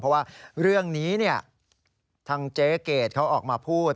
เพราะว่าเรื่องนี้ทางเจ๊เกดเขาออกมาพูด